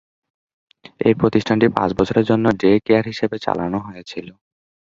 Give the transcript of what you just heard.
এই প্রতিষ্ঠানটি পাঁচ বছরের জন্য ডে-কেয়ার হিসেবে চালানো হয়েছিল।